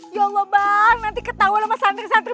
ya allah bang nanti ketawa sama santri santri